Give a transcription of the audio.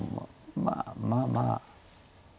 まあまあまあ。